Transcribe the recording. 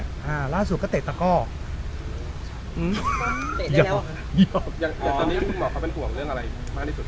อ่าล่าสุดก็เตะตะก้ออืมเตะแล้วยังเตะตอนนี้คุณหมอเขาเป็นห่วงเรื่องอะไรมากที่สุด